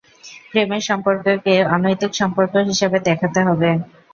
প্রেমের সম্পর্ককে অনৈতিক সম্পর্ক হিসাবে দেখাতে হবে।